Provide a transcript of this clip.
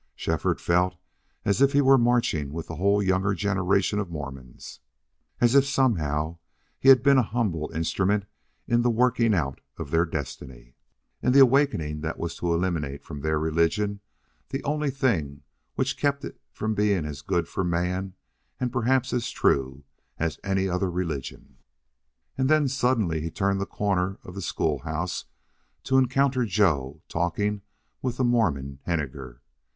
Shefford felt as if he were marching with the whole younger generation of Mormons, as if somehow he had been a humble instrument in the working out of their destiny, in the awakening that was to eliminate from their religion the only thing which kept it from being as good for man, and perhaps as true, as any other religion. And then suddenly he turned the corner of school house to encounter Joe talking with the Mormon Henninger.